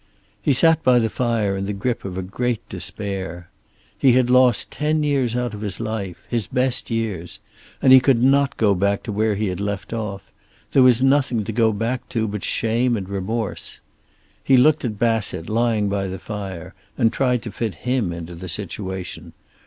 He sat by the fire in the grip of a great despair. He had lost ten years out of his life, his best years. And he could not go back to where he had left off. There was nothing to go back to but shame and remorse. He looked at Bassett, lying by the fire, and tried to fit him into the situation.